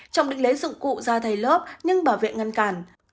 trọng định lấy dụng cụ ra thay lốp nhưng bảo vệ ngăn cản